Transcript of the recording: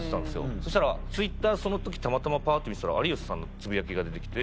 そしたらＴｗｉｔｔｅｒその時たまたまパッて見てたら有吉さんのつぶやきが出て来て。